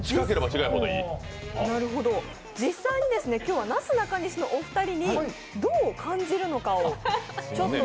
実際に今日はなすなかにしのお二人にどう感じるのかをちょっと。